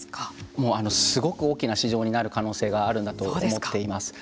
もうすごく大きな市場になる可能性があるなと思っています。